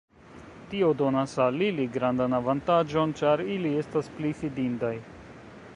Tio donas al ili grandan avantaĝon ĉar ili estas pli fidindaj.